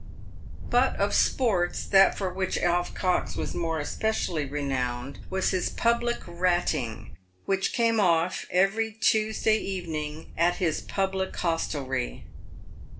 But of sports, that for which Alf Cox was more especially re nowned was his public ratting, which came off every Tuesday evening at his "public hostelrie."